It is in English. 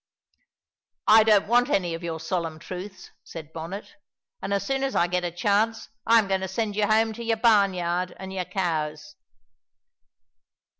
"I don't want any of your solemn truths," said Bonnet, "and as soon as I get a chance I am going to send you home to your barnyard and your cows."